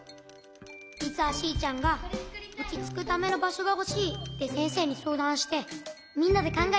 じつはシーちゃんが「おちつくためのばしょがほしい」ってせんせいにそうだんしてみんなでかんがえてつくったの。